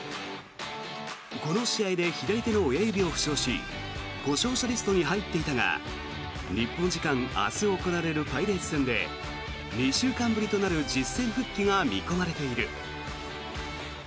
この試合で左手の親指を負傷し故障者リストに入っていたが日本時間明日行われるパイレーツ戦で２週間ぶりとなる実戦復帰が見込まれている。